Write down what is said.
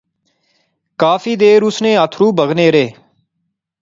کافی دیر اس نے اتھرو بغنے رہے